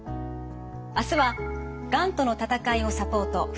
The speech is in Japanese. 明日は「がんとの闘いをサポート」